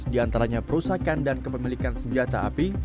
diantaranya perusahaan dan kepemilikan senjata api